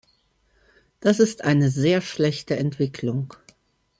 Das ist eine sehr schlechte Entwicklung.